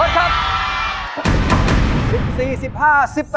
โทษครับ